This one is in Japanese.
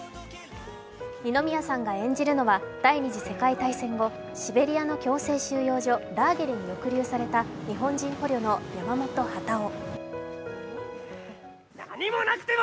二宮さんが演じるのは第２次世界大戦後、シベリアの強制収容所ラーゲリに送られた日本人捕虜の山本幡男。